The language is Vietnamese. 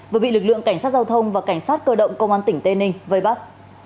vừa bị lực lượng cảnh sát giao thông và cảnh sát cơ động công an tỉnh tây ninh vây bắt